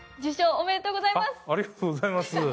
ありがとうございます。